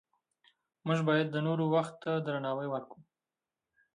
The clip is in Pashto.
موږ باید د نورو وخت ته درناوی وکړو